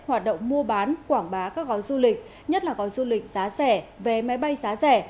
hoạt động mua bán quảng bá các gói du lịch nhất là gói du lịch giá rẻ vé máy bay giá rẻ